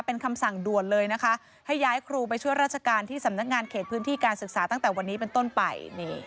เป็นคำสั่งด่วนเลยนะคะให้ย้ายครูไปช่วยราชการที่สำนักงานเขตพื้นที่การศึกษาตั้งแต่วันนี้เป็นต้นไป